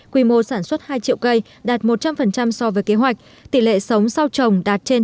quy mô sản xuất hai triệu cây đạt một trăm linh so với kế hoạch tỷ lệ sống sau trồng đạt trên chín mươi